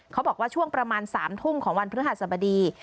เขาบอกว่าช่วงประมาณ๓ทุ่มของวันพฤหัสบดี